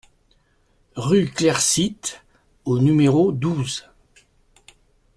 Rue Clair Site au numéro douze